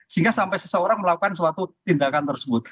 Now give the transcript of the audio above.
sehingga sampai seseorang melakukan suatu tindakan tersebut